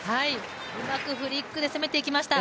うまくフリックで攻めていきました。